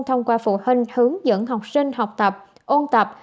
thông qua phụ huynh hướng dẫn học sinh học tập ôn tập